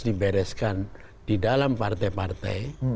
dibereskan di dalam partai partai